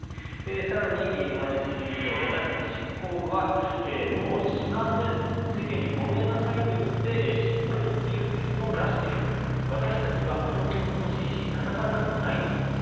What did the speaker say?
更に、林理事長私たち執行部はもうしませんと世間にごめんなさいと言って尻尾を振っていくと結論を出しているんだ私たちは補助金も欲しいしたたかれたくもないんだと。